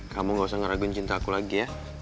kamu gak usah ngeraguin cinta aku lagi ya